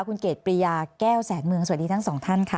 คุณเกดปริยาแก้วแสนเมืองสวัสดีทั้งสองท่านค่ะ